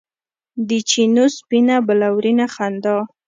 د چېنو سپینه بلورینه خندا